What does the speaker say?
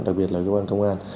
đặc biệt là cơ quan công an